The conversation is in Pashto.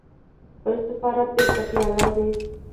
خپل سفارت بېرته پرانيست